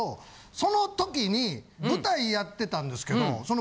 その時に舞台やってたんですけどその。